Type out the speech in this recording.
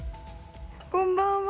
こんばんは。